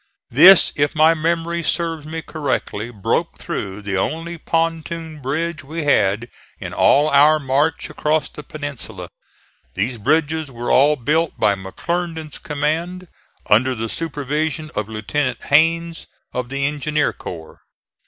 This, if my memory serves me correctly, broke through the only pontoon bridge we had in all our march across the peninsula. These bridges were all built by McClernand's command, under the supervision of Lieutenant Hains of the Engineer Corps.